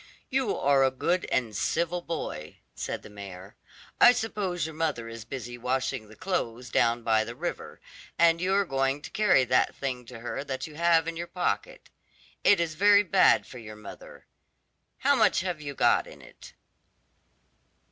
"You are a good and civil boy," said the mayor. "I suppose your mother is busy washing the clothes down by the river, and you are going to carry that thing to her that you have in your pocket. It is very bad for your mother. How much have you got in it?"